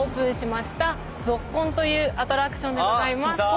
というアトラクションでございます。